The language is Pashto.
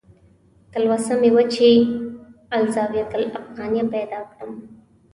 تلوسه مې وه چې "الزاویة الافغانیه" پیدا کړم.